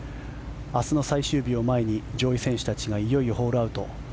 明日の最終日を前に上位選手たちがいよいよホールアウト。